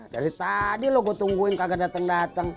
dari tadi lo gue tungguin kagak dateng dateng